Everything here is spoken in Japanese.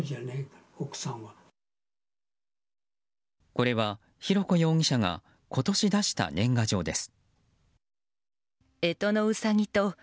これは浩子容疑者が今年出した年賀状です。